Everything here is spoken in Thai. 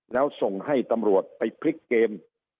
แล้วส่งให้ตำรวจไปพลิกเกม